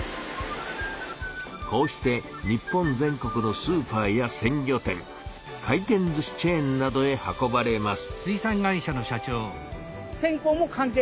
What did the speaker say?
こうして日本全国のスーパーやせん魚店回転ずしチェーンなどへ運ばれます。